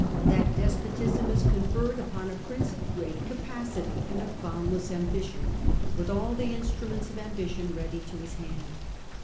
That despotism is conferred upon a Prince of great capacity and of boundless ambition, with all the instruments of ambition ready to his hand.